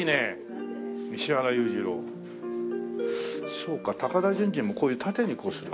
そうか高田純次もこういう縦にこうする。